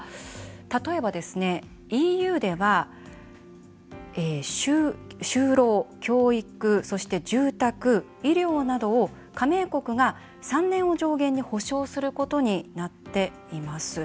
例えばＥＵでは、就労・教育そして、住宅・医療などを加盟国が３年を上限に保障することになっています。